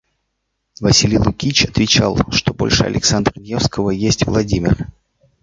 Василий Лукич отвечал, что больше Александра Невского есть Владимир.